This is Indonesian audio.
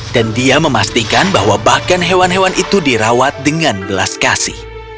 dan dia memastikan bahwa bahkan hewan hewan itu dirawat dengan gelas kasih